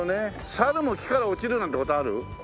猿も木から落ちるなんて事ある？